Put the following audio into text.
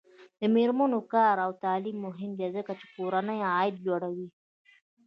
د میرمنو کار او تعلیم مهم دی ځکه چې کورنۍ عاید لوړوي.